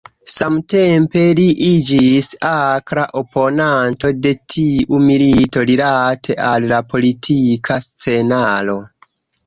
Samtempe li iĝis akra oponanto de tiu milito rilate al la politika scenaro.